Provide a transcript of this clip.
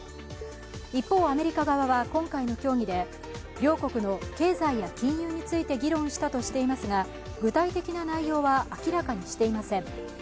一方、アメリカ側は今回の協議で両国の経済や金融について議論したとしていますが、具体的な内容は明らかにしていません。